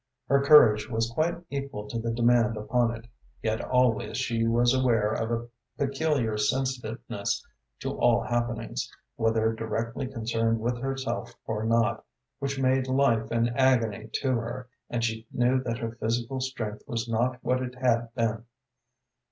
Her courage was quite equal to the demand upon it, yet always she was aware of a peculiar sensitiveness to all happenings, whether directly concerned with herself or not, which made life an agony to her, and she knew that her physical strength was not what it had been.